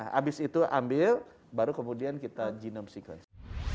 nah habis itu ambil baru kemudian kita genome sequence